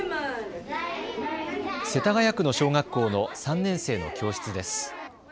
世田谷区の小学校の３年生の教室です。